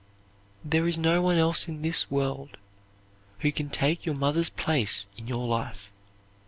There is no one else in this world who can take your mother's place in your life.